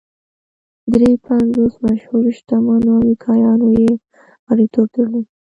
درې پنځوس مشهورو شتمنو امریکایانو یې غړیتوب درلود